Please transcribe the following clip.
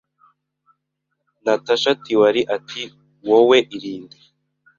Natasha Tiwari ati wowe irinde